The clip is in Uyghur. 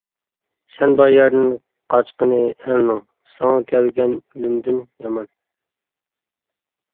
سەن بار يەردىن قاچقىنى ئەلنىڭ، ساڭا كەلگەن ئۆلۈمدىن يامان.